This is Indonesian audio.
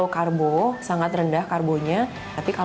karena mie ini tidak terbuat dari kain